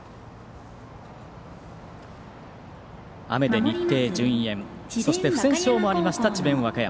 雨で日程順延そして、不戦勝もありました智弁和歌山。